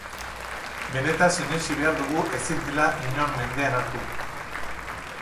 Benetan sinetsi behar dugu ezin dela inor mendean hartu.